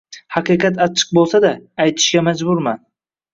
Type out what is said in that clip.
Haqiqat achchiq bo`lsa-da, aytishga majburman